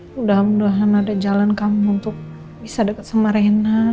mudah mudahan ada jalan kamu untuk bisa dekat sama rena